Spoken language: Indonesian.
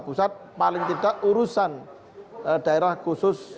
pusat paling tidak urusan daerah khusus